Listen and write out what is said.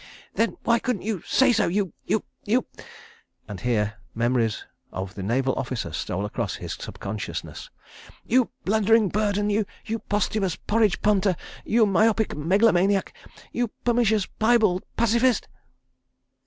"Then why couldn't you say so, you—you—you—" and here memories of the Naval Officer stole across his subconsciousness, "you blundering burden, you posthumous porridge punter, you myopic megalomaniac, you pernicious, piebald pacifist.